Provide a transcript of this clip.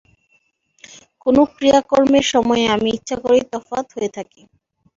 কোনো ক্রিয়াকর্মের সময়ে আমি ইচ্ছা করেই তফাত হয়ে থাকি।